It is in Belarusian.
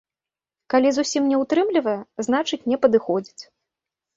Калі зусім не ўтрымлівае, значыць не падыходзіць.